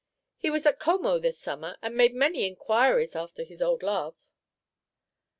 He was at Como this summer, and made many inquiries after his old love!"